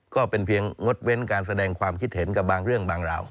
ก็เป็นเพียงงดเว้นการแสดงความคิดเห็นกับบางเรื่องบางราว